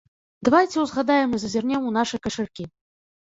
Давайце ўзгадаем і зазірнем у нашы кашалькі.